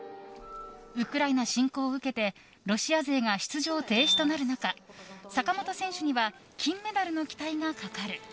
ウクライナ侵攻を受けてロシア勢が出場停止となる中坂本選手には金メダルの期待がかかる。